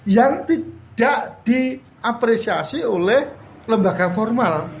yang tidak diapresiasi oleh lembaga formal